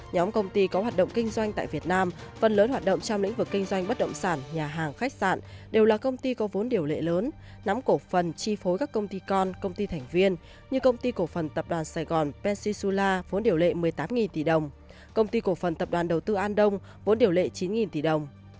nhóm công ty có hoạt động kinh doanh tại việt nam phần lớn hoạt động trong lĩnh vực kinh doanh bất động sản nhà hàng khách sạn đều là công ty có vốn điều lệ lớn nắm cổ phần chi phối các công ty con công ty thành viên như công ty cổ phần tập đoàn sài gòn pencisula vốn điều lệ một mươi tám tỷ đồng công ty cổ phần tập đoàn đầu tư an đông vốn điều lệ chín tỷ đồng